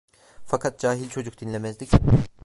Fakat cahil çocuk, dinlemezdi ki…